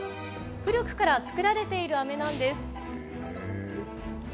古くから作られているあめなんです。